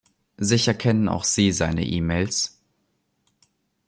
Sicher kennen auch Sie seine E-Mails.